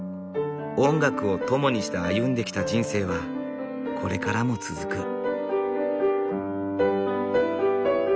音楽を友にして歩んできた人生はこれからも続く。